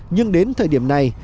nhưng đến thời điểm này